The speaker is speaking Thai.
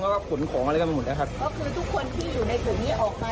แล้วก็ขุนของอะไรกันมาหมดแล้วครับก็คือทุกคนที่อยู่ในส่วนนี้ออกมา